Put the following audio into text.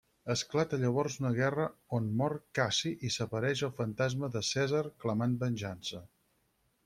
Esclata llavors una guerra, on mor Cassi i s'apareix el fantasma de Cèsar clamant venjança.